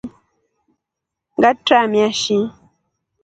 Ngatramia shi.